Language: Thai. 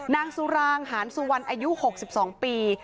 นางสุรางหานสุวรรณอายุ๖๒ปี